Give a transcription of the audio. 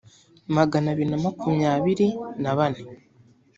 magana abiri na makumyabiri na bane